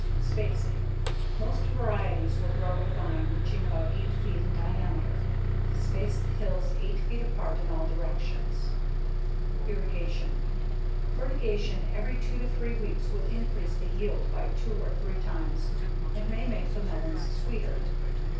Spacing: Most varieties will grow a vine reaching about 8 feet in diameter. Space the hills 8 feet apart in all directions. Irrigation: Fertigation every two to three weeks will increase the yield by two or three times and may make the melons sweeter.